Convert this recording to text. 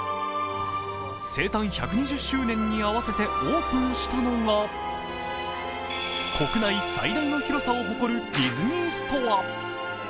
生誕１２０周年に合わせてオープンしたのが、国内最大の広さを誇るディズニーストア。